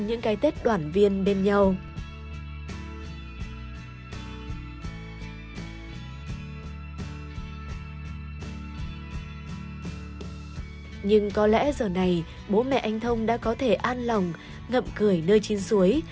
nhưng có lẽ giờ này bố mẹ anh thông đã có thể an lòng ngậm cười nơi trên suối